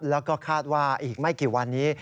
แล้วก็คาดว่าอีกไม่กี่วันนี้